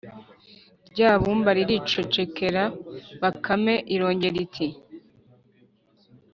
rya bumba riricecekera. bakame irongera iti: “